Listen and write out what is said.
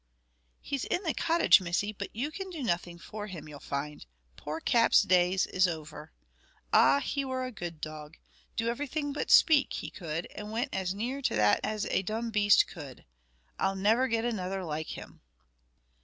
"He's in the cottage, Missy, but you can do nothing for him, you'll find. Poor Cap's days is over. Ah; he were a good dog. Do everything but speak, he could, and went as near to that as a dumb beast could. I'll never get another like him."